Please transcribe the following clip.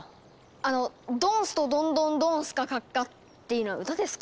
あの「ドンストドンドンドンスカカッカ」っていうのは歌ですか？